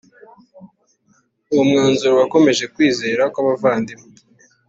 Uwo mwanzuro wakomeje ukwizera kw abavandimwe